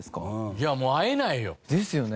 いやもう会えないよ。ですよね。